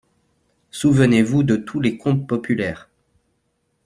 Souvenez-vous de tous les contes populaires.